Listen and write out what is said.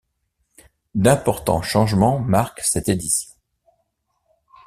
D'importants changements marquent cette édition.